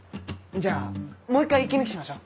じゃあもう１回息抜きしましょ。